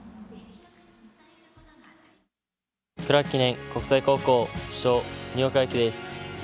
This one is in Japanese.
クラーク記念国際高校主将・新岡歩輝です。